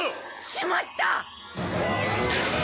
しまった！